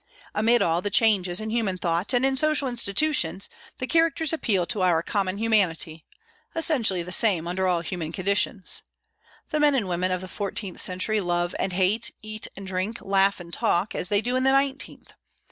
Amid all the changes in human thought and in social institutions the characters appeal to our common humanity, essentially the same under all human conditions. The men and women of the fourteenth century love and hate, eat and drink, laugh and talk, as they do in the nineteenth.